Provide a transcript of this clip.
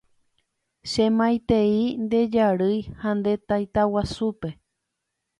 Che maitei nde jarýi ha nde taitaguasúpe.